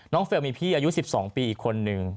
เฟลลมีพี่อายุ๑๒ปีอีกคนนึง